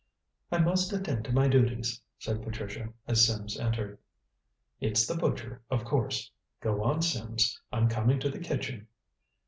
"I must attend to my duties," said Patricia, as Sims entered. "It's the butcher, of course. Go on, Sims. I'm coming to the kitchen."